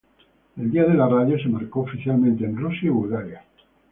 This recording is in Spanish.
El Día de la radio se marcó oficialmente en Rusia y Bulgaria.